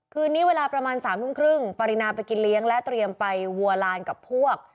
คืนนี้เวลาประมาณ๓ทุ่มครึ่งปรินาไปกินเลี้ยงและเตรียมไปวัวลานกับพวก